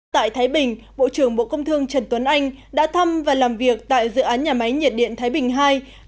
tại thái bình bộ trưởng bộ công thương trần tuấn anh đã thăm và làm việc tại dự án nhà máy nhiệt điện thái bình ii